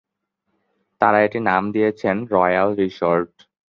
তারা এটির নাম দিয়েছেন "রয়্যাল রিসোর্ট।"